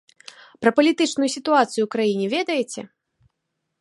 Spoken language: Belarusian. Пра палітычную сітуацыю ў краіне ведаеце?